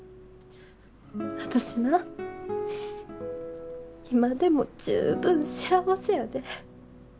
私な今でも十分幸せやで。